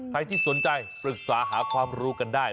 ใครที่สนใจปรึกษาหาความรู้กันได้